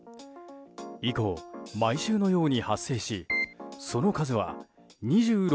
以降、毎週のように発生しその数は２６